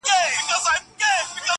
o ته پیسې کټه خو دا فکرونه مکړه,